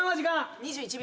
２１秒！？